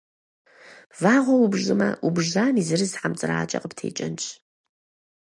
Вагъуэ убжмэ, убжам и зырыз хьэмцӏыракӏэ къыптекӏэнщ.